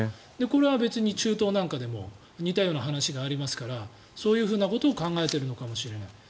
これは中東なんかでも似たような話がありますからそういうことを考えているのかもしれない。